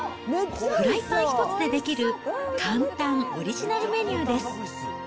フライパン一つで出来る簡単オリジナルメニューです。